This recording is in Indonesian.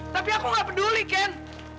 tapi aku gak peduli ken